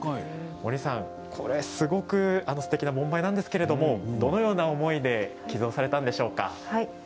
森さん、これ、すごくすてきな盆梅なんですけれどもどのような思いで寄贈されたんでしょうか。